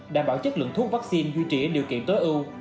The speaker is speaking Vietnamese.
đảm bảo chất lượng thuốc vaccine duy trì ở điều kiện tối ưu